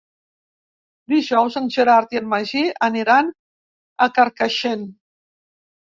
Dijous en Gerard i en Magí aniran a Carcaixent.